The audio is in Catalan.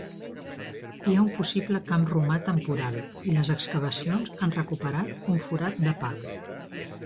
Hi ha un possible camp romà temporal i les excavacions han recuperat un forat de pal.